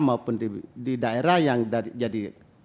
maupun di daerah yang jadi